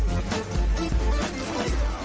อันนี้คืออย่างไรคะ